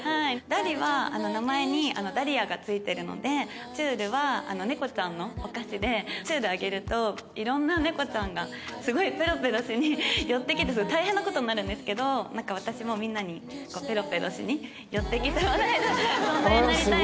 「ダリ」は名前にダリアが付いてるので「ちゅーる」は猫ちゃんのお菓子でちゅるあげるといろんな猫ちゃんがすごいペロペロしに寄ってきて大変な事になるんですけどなんか私もみんなにこうペロペロしに寄ってきてもらえる存在になりたいなと思って。